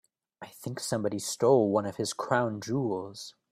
I think somebody stole one of his crown jewels.